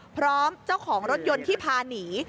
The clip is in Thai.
พร้อมเจ้าของรถยนต์ที่พาหนี